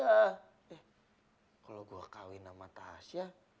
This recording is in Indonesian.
eh kalau gue kawin sama tahasyah